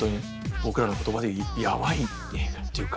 僕らの言葉でやばいっていうか。